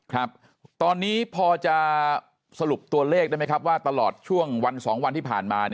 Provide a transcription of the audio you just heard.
ครับตอนนี้พอจะสรุปตัวเลขได้ไหมครับว่าตลอดช่วงวัน๒วันที่ผ่านมา